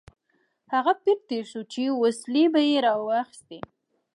هغه پیر تېر شو چې وسلې به یې راواخیستې.